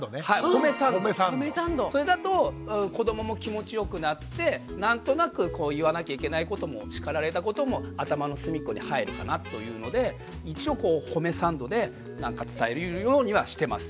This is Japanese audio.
それだと子どもも気持ちよくなって何となく言わなきゃいけないことも叱られたことも頭の隅っこに入るかなというので一応褒めサンドで何か伝えるようにはしてます。